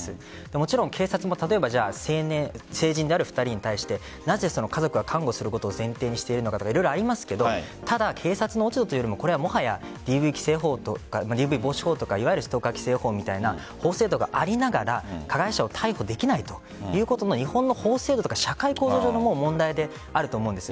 もちろん警察も例えば成人である２人に対してなぜ家族は監護することを前提にしているのかとかありますがただ、警察の落ち度というよりももはやＤＶ規制法とかＤＶ防止法とかストーカー規制法みたいな法制度がありながら加害者を逮捕できないということの日本の法制度社会構造上の問題であると思うんです。